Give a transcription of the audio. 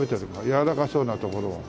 やわらかそうなところを。